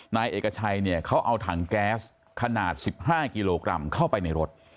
นายเอกชัยเนี่ยเขาเอาถังแก๊สขนาด๑๕กิโลกรัมเข้าไปในรถ